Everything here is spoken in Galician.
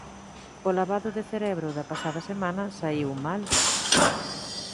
O lavado de cerebro da pasada semana saíu mal.